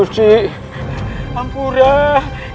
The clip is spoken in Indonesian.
saya akan menang